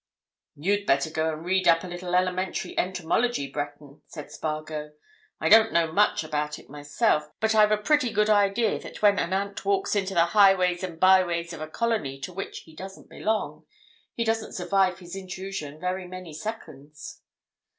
"You'd better go and read up a little elementary entomology, Breton," said Spargo. "I don't know much about it myself, but I've a pretty good idea that when an ant walks into the highways and byways of a colony to which he doesn't belong he doesn't survive his intrusion by many seconds."